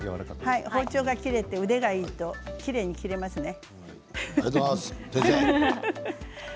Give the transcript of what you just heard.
包丁が切れて腕がいいときれいに切れますね。